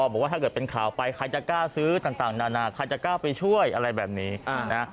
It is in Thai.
บอกว่าถ้าเกิดเป็นข่าวไปใครจะกล้าซื้อต่างนานาใครจะกล้าไปช่วยอะไรแบบนี้นะ